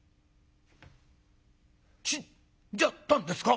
「死んじゃったんですか？」。